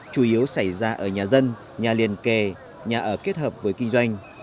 chủ yếu xảy ra ở nhà dân nhà liên kề nhà ở kết hợp với kinh doanh